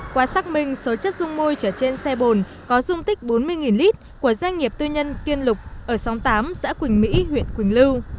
qua xác minh số chất dung môi chở trên xe bồn có dung tích bốn mươi lít của doanh nghiệp tư nhân kiên lục ở xóm tám xã quỳnh mỹ huyện quỳnh lưu